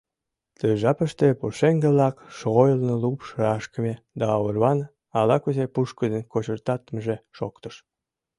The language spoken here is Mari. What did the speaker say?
Ты жапыште пушеҥге-влак шойылно лупш рашкыме да орван ала-кузе пушкыдын кочыртатымыже шоктыш.